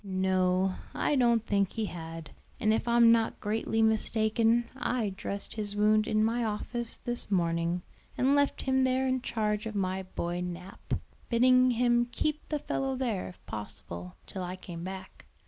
"No, I don't think he had; and if I'm not greatly mistaken I dressed his wound in my office this morning, and left him there in charge of my boy Nap, bidding him keep the fellow there, if possible, till I came back.